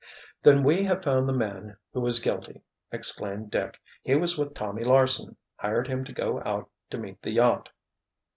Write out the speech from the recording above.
"Then we have found the man who is guilty!" exclaimed Dick. "He was with Tommy Larsen, hired him to go out to meet the yacht!"